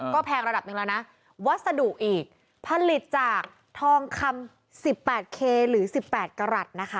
ก็แพงระดับหนึ่งแล้วนะวัสดุอีกผลิตจากทองคำ๑๘เคหรือ๑๘กรัฐนะคะ